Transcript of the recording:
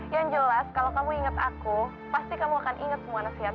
yang jelas kalau kamu ingat aku pasti kamu akan ingat semua nasihat